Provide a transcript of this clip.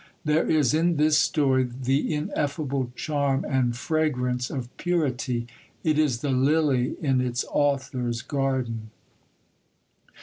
There is in this story the ineffable charm and fragrance of purity. It is the lily in its author's garden.